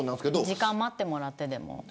時間を待ってもらってでも。